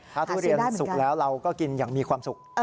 ถ้าทุเรียนสุกแล้วเราก็กินอย่างมีความสุข